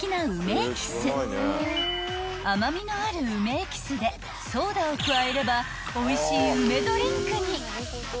［甘味のある梅エキスでソーダを加えればおいしい梅ドリンクに］